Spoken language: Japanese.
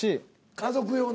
家族用の。